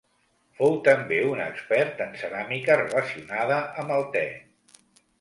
Fou també un expert en ceràmica relacionada amb el te.